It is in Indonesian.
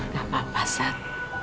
gak apa apa sam